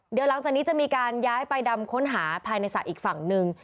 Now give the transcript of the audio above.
เดี๋ยวหลังจากนี้จะมีการย้ายไปดำค้นหาภายในสระอีกฝั่งหนึ่ง